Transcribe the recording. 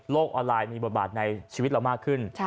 ออนไลน์มีบทบาทในชีวิตเรามากขึ้น